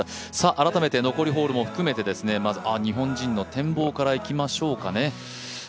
改めて残りホールも含めて、まず日本人の展望からいきましょうかね。